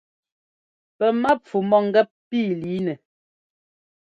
Pɛ́ mápfu mɔ̂gɛ́p pí lǐinɛ.